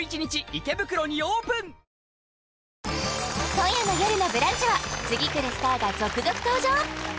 今夜の「よるのブランチ」は次くるスターが続々登場！